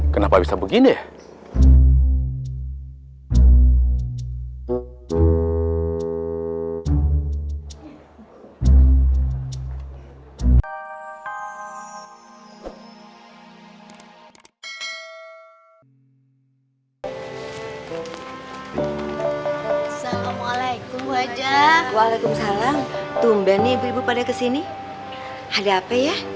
kenapa bisa begini ya